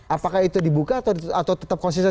apakah itu dibuka atau tetap konsisten